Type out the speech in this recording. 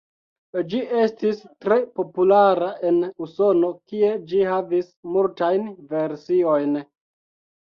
Ĝi estis tre populara en Usono, kie ĝi havis multajn versiojn.